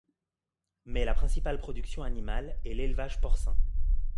Mais la principale production animale est l'élevage porcin.